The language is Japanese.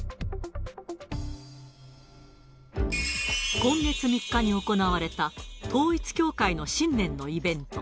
今月３日に行われた統一教会の新年のイベント。